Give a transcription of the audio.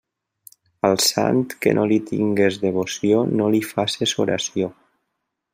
Al sant que no li tingues devoció no li faces oració.